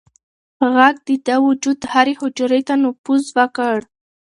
غږ د ده د وجود هرې حجرې ته نفوذ وکړ.